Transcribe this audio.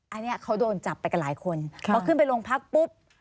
อันนี้เขาโดนจับไปกับหลายคนพอขึ้นไปโรงพักปุ๊บ